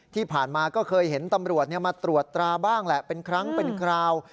ที่ผ่านมาก็เคยเห็นตำรวจมาตรวจตราบ้างแหละเป็นครั้งเป็นคราว